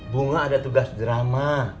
bunga ada tugas drama